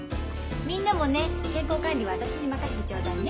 みんなもね健康管理は私に任してちょうだいね。